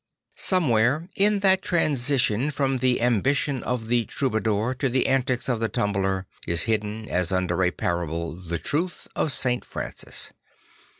Somewhere in that transition from the ambition of the Troubadour to the antics of the Tumbler is hidden, as under a parable, the truth of St. Francis.